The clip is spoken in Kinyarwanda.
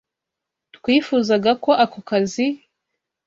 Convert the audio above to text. Twifuzagako aka kazi karangizoe.